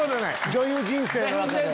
女優人生の中で。